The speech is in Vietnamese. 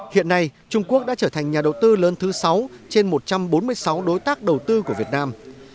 hiện nay trung quốc đã trở thành nhà đầu tư lớn thứ sáu trên một trăm bốn mươi sáu đối tác đầu tư của việt nam